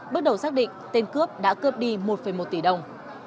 bước đầu xác định tên cướp đã cướp đi một một tỷ đồng